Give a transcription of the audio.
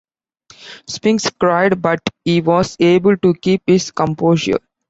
Spinks cried, but he was able to keep his composure.